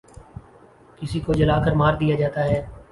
کسی کو جلا کر مار دیا جاتا ہے